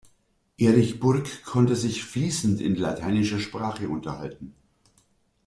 Erich Burck konnte sich fließend in lateinischer Sprache unterhalten.